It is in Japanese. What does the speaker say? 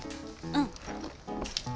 うん。